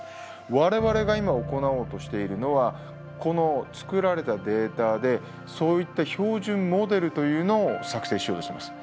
我々が今行おうとしているのはこの作られたデータでそういった標準モデルというのを作成しようとしてます。